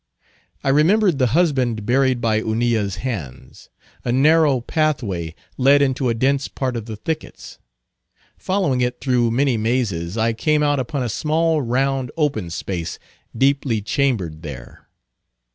I remembered the husband buried by Hunilla's hands. A narrow pathway led into a dense part of the thickets. Following it through many mazes, I came out upon a small, round, open space, deeply chambered there.